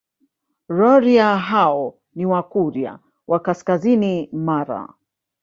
Rorya hao ni Wakurya wa kaskazini Mara